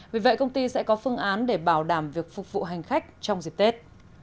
vì vậy công ty sẽ có phương án để bảo đảm việc phục vụ hành khách trong dịp tết